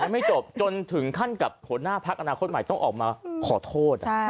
ยังไม่จบจนถึงขั้นกับขนาดพลักอนาคตใหม่ต้องเอามาขอโทษ